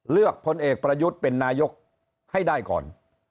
พลเอกประยุทธ์เป็นนายกให้ได้ก่อน